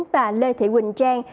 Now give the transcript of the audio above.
và lê thị quỳnh trang